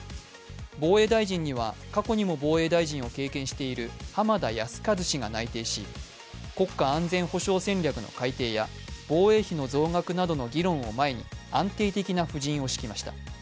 防衛大臣には過去にも防衛大臣を経験している浜田靖一氏が内定し国家安全保障戦略の改定や防衛費の増額などの議論を前に安定的な布陣を敷きました。